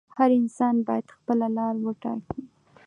هر انسان باید خپله لاره وټاکي.